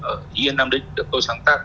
ở yên nam đích được tôi sáng tác